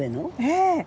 ええ！